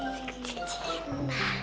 berisik kecil cina